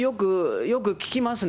よく聞きますね。